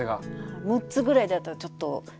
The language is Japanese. ６つぐらいだったらちょっとすごく波打つ。